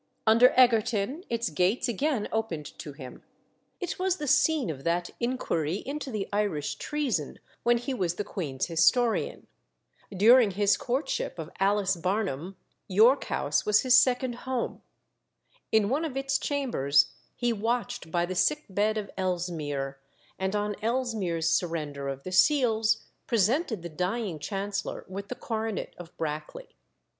Under Egerton its gates again opened to him. It was the scene of that inquiry into the Irish treason when he was the queen's historian. During his courtship of Alice Barnham, York House was his second home. In one of its chambers he watched by the sick bed of Ellesmere, and on Ellesmere's surrender of the Seals, presented the dying Chancellor with the coronet of Brackley.